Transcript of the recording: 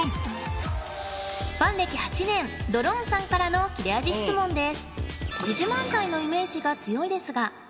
ファン歴８年ドローンさんからの切れ味質問です